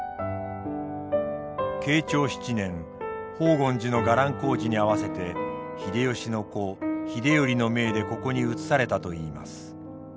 慶長７年宝厳寺の伽藍工事に合わせて秀吉の子秀頼の命でここに移されたといいます。